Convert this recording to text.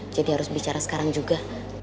jadi harus bicara sekarang juga